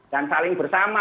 dan saling bersama